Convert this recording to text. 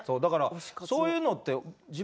そういうのって